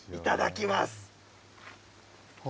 いただきます。